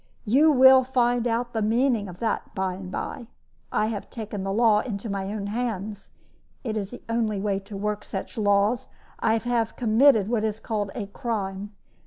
You will find out the meaning of that by and by. I have taken the law into my own hands it is the only way to work such laws I have committed what is called a crime.